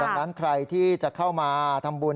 จากนั้นใครจะเข้ามาทำบุญ